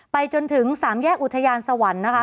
จนถึงสามแยกอุทยานสวรรค์นะคะ